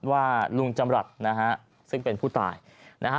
ว่าลุงจำรัฐนะฮะซึ่งเป็นผู้ตายนะฮะ